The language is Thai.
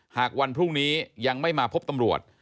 หากวันพรุ่งนี้ยังไม่มาพบตำรวจ